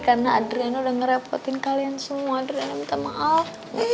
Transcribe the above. karena adriana udah ngerepotin kalian semua adriana minta maaf